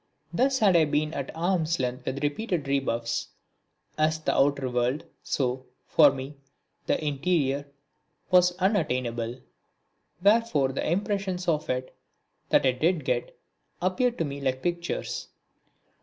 Thus had I been kept at arm's length with repeated rebuffs. As the outer world, so, for me, the interior, was unattainable. Wherefore the impressions of it that I did get appeared to me like pictures.